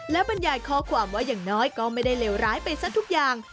และบรรยายข้อความว่าอย่างน้อยก็ไม่ได้เลวร้ายไปซะทุกอย่าง